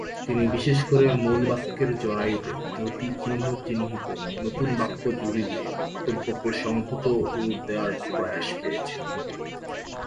তিনি বিশেষ ক’রে মূল বাক্যের জরায়ুতে যতি-চিহ্ন-চিহ্নিত নতুন বাক্য জুড়ে দিয়ে বক্তব্যকে সংহত রূপ দেয়ার প্রয়াস পেয়েছেন।